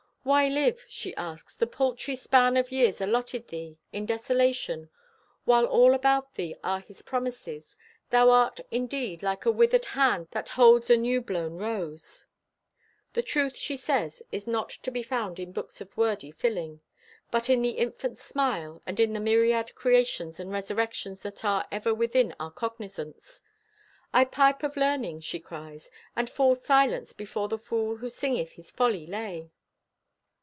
"Why live," she asks, "the paltry span of years allotted thee, in desolation, while all about thee are His promises? Thou art, indeed, like a withered hand that holds a new blown rose." The truth, she says, is not to be found in "books of wordy filling," but in the infant's smile and in the myriad creations and resurrections that are ever within our cognizance. "I pipe of learning," she cries, "and fall silent before the fool who singeth his folly lay."